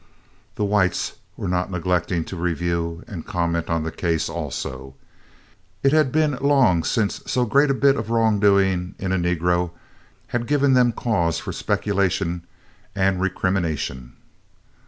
The whites were not neglecting to review and comment on the case also. It had been long since so great a bit of wrong doing in a negro had given them cause for speculation and recrimination.